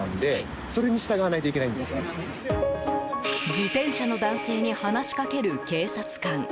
自転車の男性に話しかける警察官。